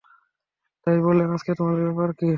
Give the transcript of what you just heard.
তাই বললেনঃ আজকে তোমাদের ব্যাপার কী?